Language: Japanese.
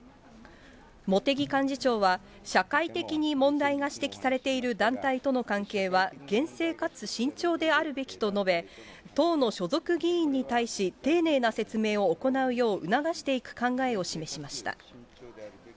茂木幹事長は、社会的に問題が指摘されている団体との関係は、厳正かつ慎重であるべきと述べ、党の所属議員に対し、丁寧な説明を行うよう促していく考えを示しました。